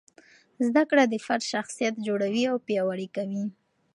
زده کړه د فرد شخصیت جوړوي او پیاوړی کوي.